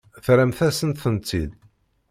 Terramt-asent-tent-id.